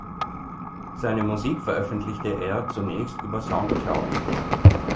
Seine Musik veröffentlichte er zunächst über Soundcloud.